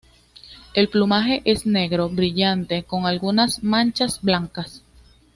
El plumaje es negro brillante con algunas manchas blancas.